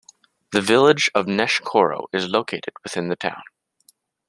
The Village of Neshkoro is located within the town.